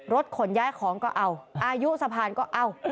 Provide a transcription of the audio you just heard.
รถขนย้ายของก็เอาอายุสะพานก็เอา